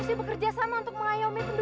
sarpalah seguari aku